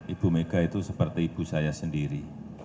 ibu mega itu seperti ibu saya sendiri